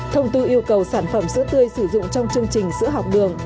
thông tư yêu cầu sản phẩm sữa tươi sử dụng trong chương trình sữa học đường